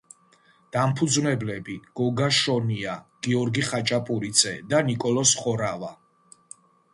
დამფუძნებლები: გოგა შონია, გიორგი ხაჭაპურიძე და ნიკოლოზ ხორავა.